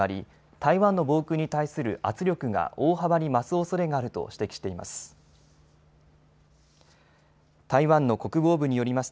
台湾の防空に対する圧力が大幅に増すおそれがあると指摘しています。